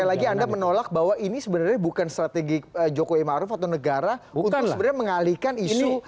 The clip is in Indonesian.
jadi sekali lagi anda menolak bahwa ini sebenarnya bukan strategi jokowi maruf atau negara untuk sebenarnya mengalihkan isu